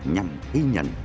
nhằm ghi nhận